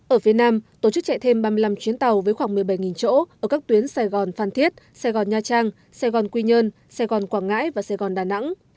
ở phía nam tổ chức chạy thêm ba mươi năm chuyến tàu với khoảng một mươi bảy chỗ ở các tuyến sài gòn phan thiết sài gòn nha trang sài gòn quy nhơn sài gòn quảng ngãi và sài gòn đà nẵng